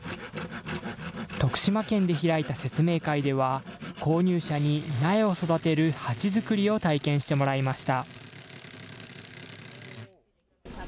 徳島県で開いた説明会では、購入者に苗を育てる鉢作りを体験してもらいました。